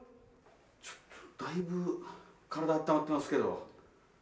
ちょっとだいぶ体あったまってますけど。